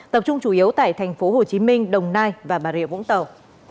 tập trung chủ yếu tại thành phố hồ chí minh đồng nai và bà rịa vũng tàu